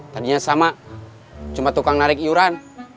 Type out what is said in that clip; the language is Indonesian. tadinya sama cuma tukang narik iuran